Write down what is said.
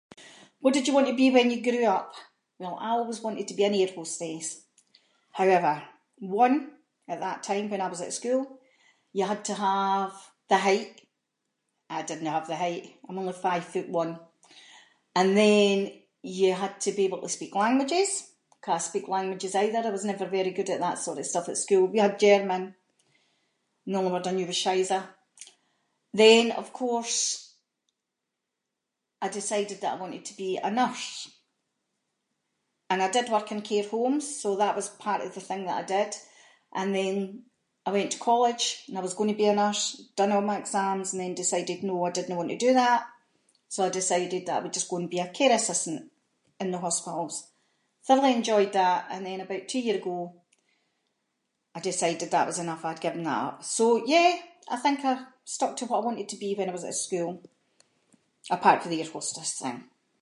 What did you want to be when you grew up? Well, I always wanted to be an air hostess. However, one, at that time when I was at school, you had to have the height, I didnae have the height, I’m only five foot one, and then you had to be able to speak languages, canna speak languages either, I was never very good at that sort of stuff at school, we had German, and the only word that I knew was scheiße. Then of course, I decided that I wanted to be a nurse, and I did work in care homes, so that was part of the thing that I did, and then, I went to college and I was going to be a nurse, done all my exams, and then decided no, I didnae want to do that, so I decided that I would just go and be a care assistant, in the hospitals, thoroughly enjoyed that, and then about two year ago, I decided that was enough, I’d given that up. So yeah, I think I stuck to what I wanted to be when I was at school, apart fae the air hostess thing.